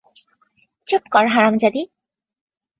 চুপ কর, হারামজাদি!